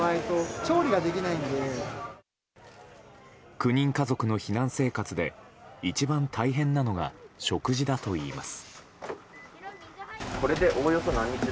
９人家族の避難生活で一番大変なのが食事だといいます。